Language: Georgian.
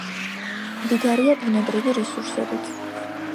მდიდარია ბუნებრივი რესურსებით.